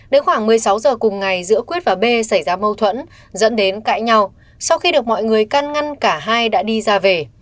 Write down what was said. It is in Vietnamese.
đến khoảng một mươi sáu giờ cùng ngày giữa quyết và b xảy ra mâu thuẫn dẫn đến cãi nhau sau khi được mọi người căn ngăn cả hai đã đi ra về